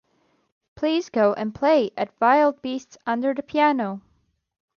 Please go and play at Wild Beasts under the piano!